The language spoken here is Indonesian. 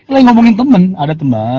lagi ngomongin temen ada teman